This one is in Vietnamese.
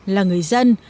là người dân